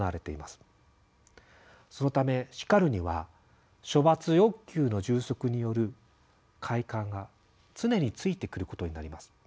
そのため「叱る」には処罰欲求の充足による快感が常についてくることになります。